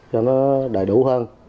cho nó đầy đủ hơn